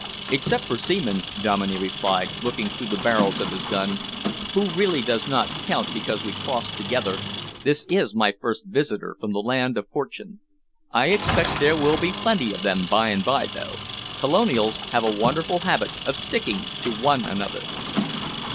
"Except for Seaman," Dominey replied, looking through the barrels of his gun, "who really does not count because we crossed together, this is my first visitor from the land of fortune. I expect there will be plenty of them by and by, though. Colonials have a wonderful habit of sticking to one another."